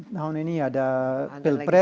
tahun ini ada pilpres